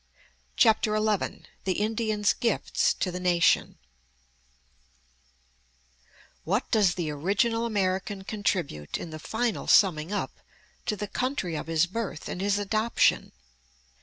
CHAPTER XI THE INDIAN'S GIFTS TO THE NATION What does the original American contribute, in the final summing up, to the country of his birth and his adoption?